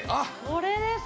これです！